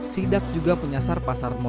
sidak juga mendapati tahu bahan pewarna kimia